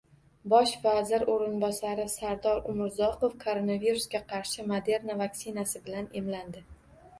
Bosh vazir o‘rinbosari Sardor Umurzoqov koronavirusga qarshi Moderna vaksinasi bilan emlandi